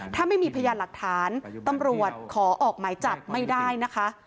ถ้าไม่มีพยานหลักฐานตำรวจขอออกหมายจับไม่ได้นะคะ